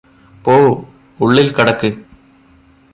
പോ ഉള്ളില് കടക്ക്